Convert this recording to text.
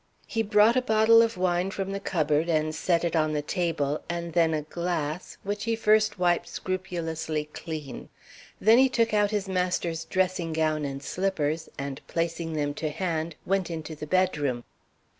He brought a bottle of wine from the cupboard and set it on the table, and then a glass, which he first wiped scrupulously clean. Then he took out his master's dressing gown and slippers, and, placing them to hand, went into the bedroom.